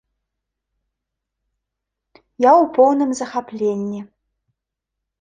Я у поўным захапленні.